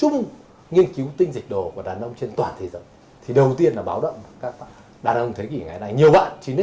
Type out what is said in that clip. nhiều bạn chỉ nên nhớ